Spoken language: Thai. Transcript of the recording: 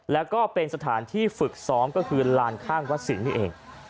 แล้วก็เป็นสถานที่ฝึกซ้อมก็คือลานข้างวัดสิงห์นี่เอง